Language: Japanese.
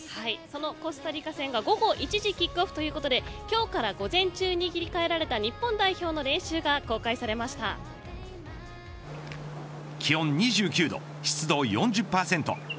そのコスタリカ戦が午後１時キックオフということで今日から午前中に切り替えられた日本代表の練習が気温２９度、湿度４０％。